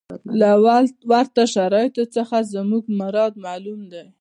له ورته شرایطو څخه زموږ مراد معلوم دی.